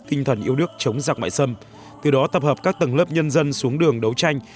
tinh thần yêu nước chống giặc ngoại xâm từ đó tập hợp các tầng lớp nhân dân xuống đường đấu tranh